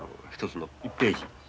１つの１ページ。